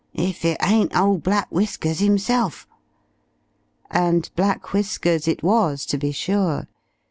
If it ain't ole Black Whiskers 'imself!" And Black Whiskers it was, to be sure.